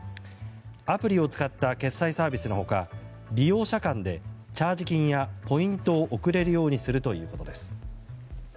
アプリを使った決済サービスの他利用者間でチャージ金やポイントを送れるようにするということです。